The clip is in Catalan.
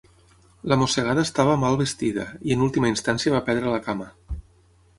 La mossegada estava mal vestida, i en última instància va perdre la cama.